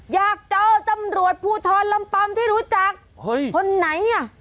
อยากเจอตำรวจภูทรลำปำที่รู้จักคนไหนอ่ะ